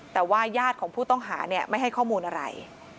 แต่ว่าญาติของผู้ต้องหาไม่ให้ข้อมูลอะไร